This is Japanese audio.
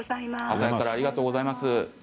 朝早くからありがとうございます。